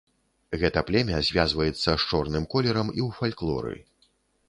Гэта племя звязваецца з чорным колерам і ў фальклоры.